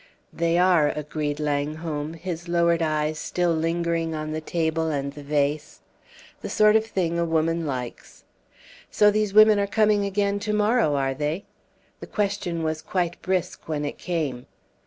"They are," agreed Langholm, his lowered eyes still lingering on the table and the vase "the sort of thing a woman likes ... So these women are coming again to morrow, are they?" The question was quite brisk, when it came.